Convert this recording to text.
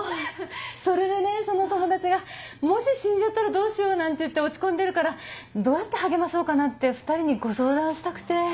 それでねその友達がもし死んじゃったらどうしようなんて言って落ち込んでるからどうやって励まそうかなって２人にご相談したくて。